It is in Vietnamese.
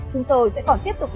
chúng tôi sẽ còn tiếp tục